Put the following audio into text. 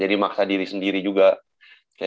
jadi maksa diri sendiri juga gitu kan